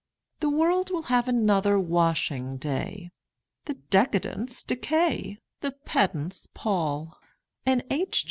The world will have another washing day; The decadents decay; the pedants pall; And H.